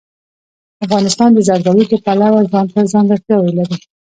افغانستان د زردالو د پلوه ځانته ځانګړتیا لري.